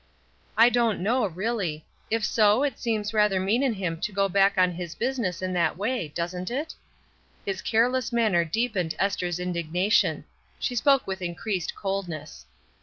"I don't know, really. If so, it seems rather mean in him to go back on his business in that way, doesn't it?" His careless manner deep ened Esther's indignation. She spoke with increased coldness.